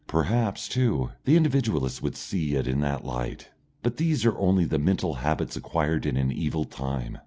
Perhaps, too, the Individualist would see it in that light. But these are only the mental habits acquired in an evil time.